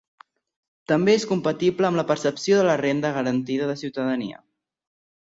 També és compatible amb la percepció de la renda garantida de ciutadania.